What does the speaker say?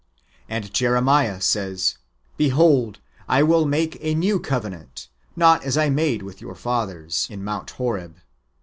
^ And Jeremiah says: "Behold, I will make a new covenant, not as I made with your fathers"'* in Mount Horeb.